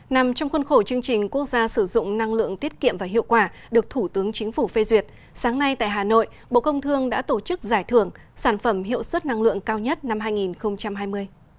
nằm trong khuôn khổ chương trình quốc gia sử dụng năng lượng tiết kiệm và hiệu quả được thủ tướng chính phủ phê duyệt sáng nay tại hà nội bộ công thương đã tổ chức giải thưởng sản phẩm hiệu suất năng lượng cao nhất năm hai nghìn hai mươi